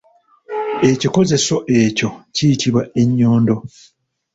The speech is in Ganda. Ekikozeso ekyo kiyitibwa ennyondo.